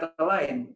dengan kata lain